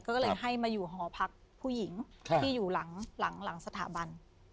ก็เลยให้มาอยู่หอพักผู้หญิงที่อยู่หลังสถาบัน